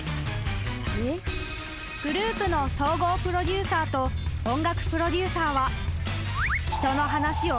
［グループの総合プロデューサーと音楽プロデューサーは］